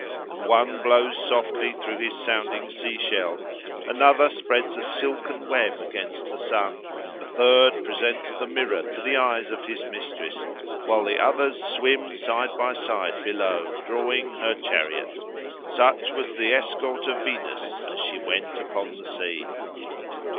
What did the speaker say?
And one blows softly through his sounding sea shell, another spreads a silken web against the sun, a third presents the mirror to the eyes of his mistress, while the others swim side by side below, drawing her chariot. Such was the escort of Venus as she went upon the sea.